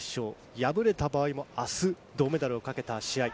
敗れた場合も明日、銅メダルを懸けた試合。